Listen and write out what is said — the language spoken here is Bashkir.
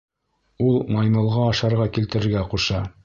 Ул маймылға ашарға килтерергә ҡуша.